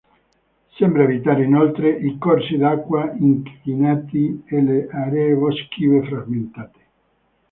Sembra evitare inoltre i corsi d'acqua inquinati e le aree boschive frammentate.